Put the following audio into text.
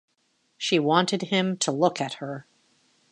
She wanted him to look at her.